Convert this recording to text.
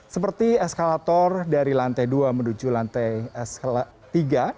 seperti eskalator dari lantai dua menuju lantai tiga